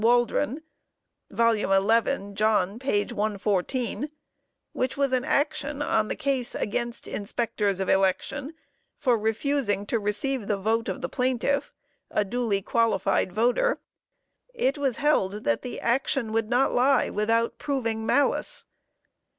Waldron (11 John 114)_, which was an action on the case against inspectors of election for refusing to receive the vote of the plaintiff, a duly qualified voter, it was held, that the action would not lie without proving malice.